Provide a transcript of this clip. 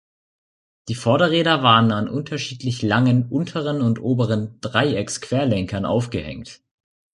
Die Vorderräder waren an unterschiedlich langen unteren und oberen Dreiecksquerlenkern aufgehängt.